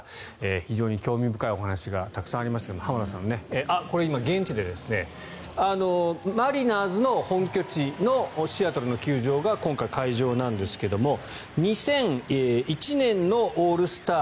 非常に興味深い話がたくさんありましたけどこれ今、現地でマリナーズの本拠地のシアトルの球場が今回、会場なんですけど２００１年のオールスター